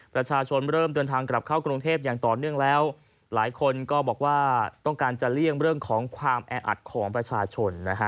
ประชาชนเริ่มเดินทางกลับเข้ากรุงเทพอย่างต่อเนื่องแล้วหลายคนก็บอกว่าต้องการจะเลี่ยงเรื่องของความแออัดของประชาชนนะฮะ